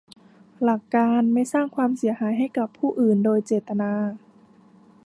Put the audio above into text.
หลักการไม่สร้างความเสียหายให้กับผู้อื่นโดยเจตนา